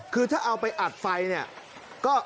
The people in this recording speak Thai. คือถ้าเอาไปอัดไฟเนี่ย